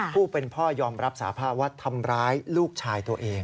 ผู้เป็นพ่อยอมรับสาภาพว่าทำร้ายลูกชายตัวเอง